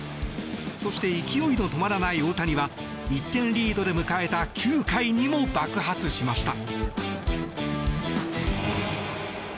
そして、勢いの止まらない大谷は１点リードで迎えた９回にも爆発しました。